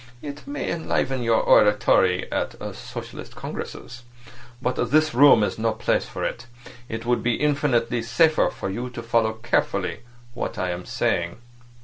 It may enliven your oratory at socialistic congresses. But this room is no place for it. It would be infinitely safer for you to follow carefully what I am saying.